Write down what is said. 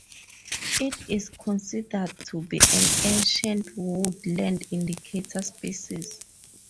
It is considered to be an ancient woodland indicator species.